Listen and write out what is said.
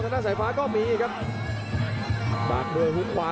พยายามจะไถ่หน้านี่ครับการต้องเตือนเลยครับ